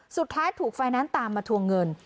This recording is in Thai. สุดท้ายถูกไฟแนนซ์ตามมาทวงเงิน